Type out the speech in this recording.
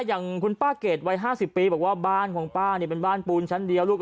อย่างคุณป้าเกรดวัย๕๐ปีบอกว่าบ้านของป้าเป็นบ้านปูนชั้นเดียว